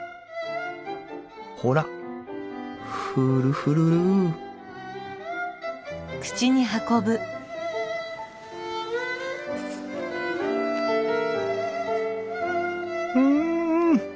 ほらフルフルルうん！